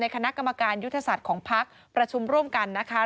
คณะกรรมการยุทธศาสตร์ของพักประชุมร่วมกันนะคะ